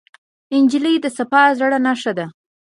نجلۍ د صفا زړه نښه ده.